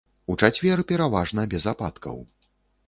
У чацвер пераважна без ападкаў.